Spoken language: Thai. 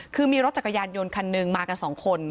คือมีรถจักรยานยนต์คันหนึ่งมากันสองคน